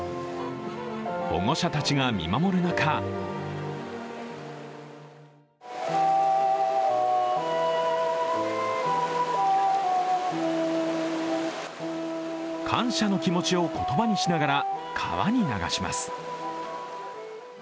保護者たちが見守る中感謝の気持ちを言葉にしながら川に流します。